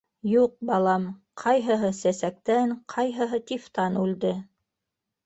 Юҡ, балам, ҡайһыһы сәсәктән, ҡайһыһы тифтан үлде.